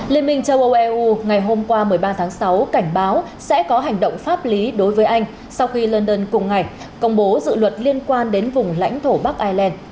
liên minh châu âu eu ngày hôm qua một mươi ba tháng sáu cảnh báo sẽ có hành động pháp lý đối với anh sau khi london cùng ngày công bố dự luật liên quan đến vùng lãnh thổ bắc ireland